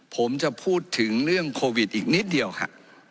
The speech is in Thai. ผมจะพูดถึงเรื่องโควิดอีกนิดเดียวค่ะ